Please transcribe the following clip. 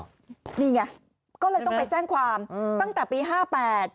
นี่ไงก็เลยต้องไปแจ้งความอืมตั้งแต่ปีห้าแปด